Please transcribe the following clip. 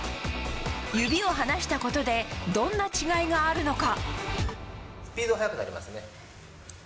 指を離したことでどんな違いがあるのか？